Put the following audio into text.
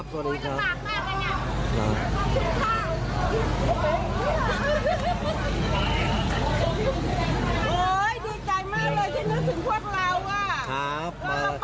ครับลองฟากกันมากเลยครับ